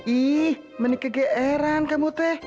ih menikah geeran kak bute